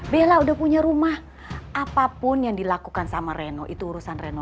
bella udah punya rumah apapun yang dilakukan sama reno itu urusan reno